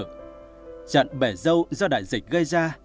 trận bể dâu do đại dịch gây ra